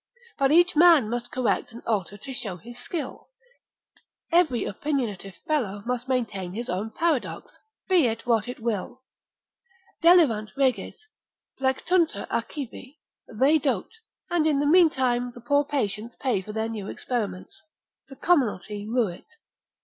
But each man must correct and alter to show his skill, every opinionative fellow must maintain his own paradox, be it what it will; Delirant reges, plectuntur Achivi: they dote, and in the meantime the poor patients pay for their new experiments, the commonalty rue it.